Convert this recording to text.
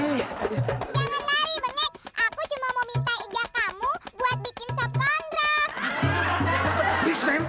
jangan lari bengek aku cuma mau minta ijah kamu buat bikin sop kondrak